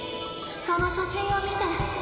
その写真を見て。